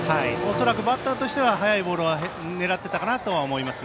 恐らくバッターとしては速いボールを狙っていたかなとは思います。